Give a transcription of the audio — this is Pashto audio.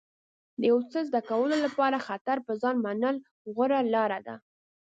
د یو څه زده کولو لپاره خطر په ځان منل غوره لاره ده.